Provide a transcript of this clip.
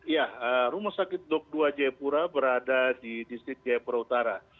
ya rumah sakit dok dua jayapura berada di distrik jayapura utara